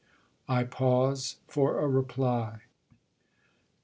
I pause for a reply.